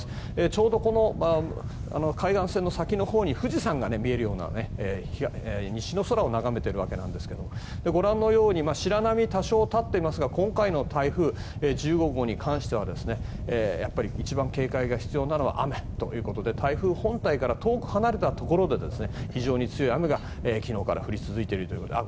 ちょうどこの海岸線の先のほうに富士山が見えるような西の空を眺めているわけなんですがご覧のように白波が多少立っていますが今回の台風１５号に関してはやっぱり、一番警戒が必要なのは雨ということで台風本体から遠く離れたところで非常に強い雨が昨日から降り続いているということで。